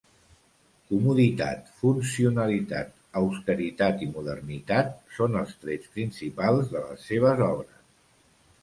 Comoditat, funcionalitat, austeritat i modernitat són els trets principals de les seves obres.